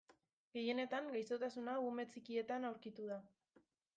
Gehienetan, gaixotasun hau ume txikietan aurkitu da.